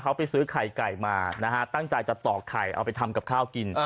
เขาไปซื้อไข่ไก่มานะฮะตั้งใจจะต่อไข่เอาไปทำกับข้าวกิน